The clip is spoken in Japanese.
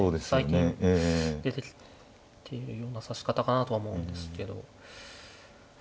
最近出てきているような指し方かなとは思うんですけど。